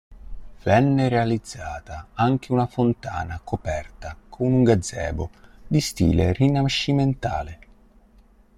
Venne realizzata anche una fontana coperta con un gazebo di stile rinascimentale.